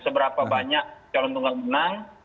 seberapa banyak calon tunggal menang